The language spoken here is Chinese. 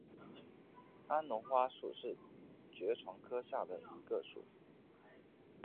安龙花属是爵床科下的一个属。